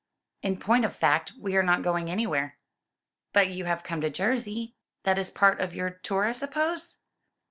"In point of fact, we are not going anywhere." "But you have come to Jersey. That is part of your tour, I suppose?"